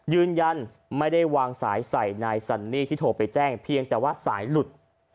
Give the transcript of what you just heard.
ยืนยันไม่ได้วางสายใส่นายซันนี่ที่โทรไปแจ้งเพียงแต่ว่าสายหลุด